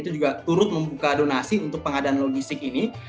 itu juga turut membuka donasi untuk pengadaan logistik ini